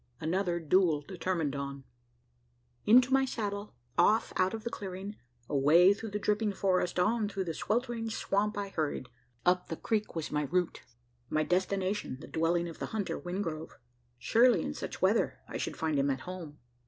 ANOTHER DUEL DETERMINED ON. Into my saddle off out of the clearing away through the dripping forest on through the sweltering swamp, I hurried. Up the creek was my route my destination, the dwelling of the hunter, Wingrove. Surely, in such weather, I should find him at home?